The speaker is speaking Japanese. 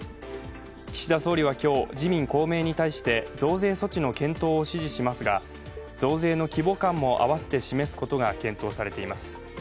岸田総理は今日、自民・公明に対して増税措置の検討を指示しますが増税の規模感も併せて示すことが検討されています。